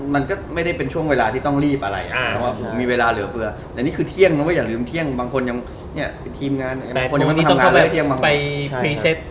มันก็ไม่ได้เป็นช่วงเวลาที่ต้องรีบอะไรอ่ะมีเวลาเหลือเฟือแต่นี่คือเที่ยงนะว่าอย่าลืมเที่ยงบางคนยังเนี่ยคือทีมงานคนยังไม่ต้องทำงานแล้วเที่ยงบางคน